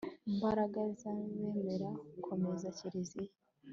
mbaraga z'abemera, komeza kiliziya